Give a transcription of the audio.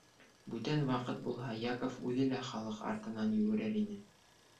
Бүтән ваҡыт булһа, Яков үҙе лә халыҡ артынан йүгерер ине.